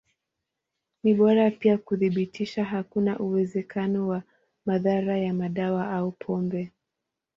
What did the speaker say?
Ni bora pia kuthibitisha hakuna uwezekano wa madhara ya madawa au pombe.